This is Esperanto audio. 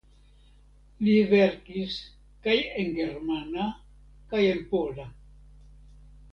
Li verkis kaj en germana kaj en pola.